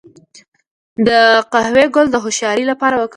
د قهوې ګل د هوښیارۍ لپاره وکاروئ